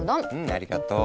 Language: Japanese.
ありがとう。